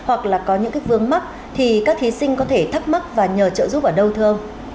và có những cái vương mắt thì các thí sinh có thể thắc mắc và nhờ trợ giúp ở đâu thơ